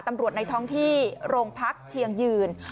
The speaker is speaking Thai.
ตำรวจในท้องที่โรงพักเชียงยืน